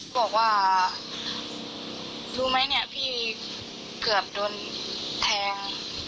บอกว่ารู้ไหมเนี่ยพี่เกือบโดนแทง